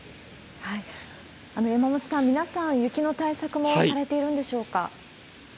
山本さん、皆さん、雪の対策もされているんでしょうか？